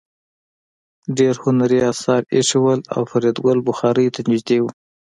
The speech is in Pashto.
ډېر هنري اثار ایښي وو او فریدګل بخارۍ ته نږدې و